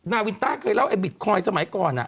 นาวินต้าเคยเล่าไอบิตคอยน์สมัยก่อน